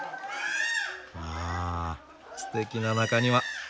わあすてきな中庭。